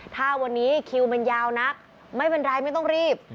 ถ้าวันนี้คิวมันยาวนักไม่เป็นไรไม่ต้องรีบ